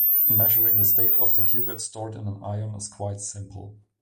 Measuring the state of the qubit stored in an ion is quite simple.